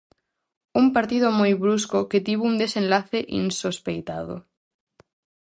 Un partido moi brusco que tivo un desenlace insospeitado.